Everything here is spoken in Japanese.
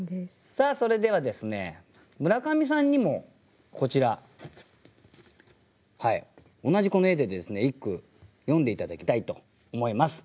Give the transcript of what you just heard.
さあそれではですね村上さんにもこちら同じこの絵でですね一句詠んで頂きたいと思います。